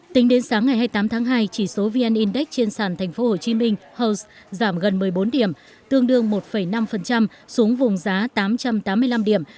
tính đến sáng ngày hai mươi tám tháng hai chỉ số vn index trên sàn tp hcm house giảm gần một mươi bốn điểm tương đương một năm xuống vùng giá tám trăm tám mươi năm điểm